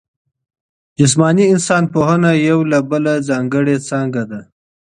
جسماني انسان پوهنه یوه بله ځانګړې څانګه ده.